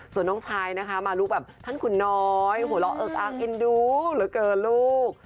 ส่วนน้องชายนะคะมาลูกแบบท่านขุนน้อยหัวเราะเอิกอักเอ็นดูเหลือเกินลูก